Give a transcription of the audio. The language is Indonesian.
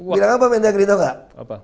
bilang apa mendagri tau gak